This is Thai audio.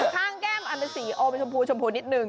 ข้างแก้มเป็นสีโอมภูชมพูนิดนึง